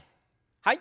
はい。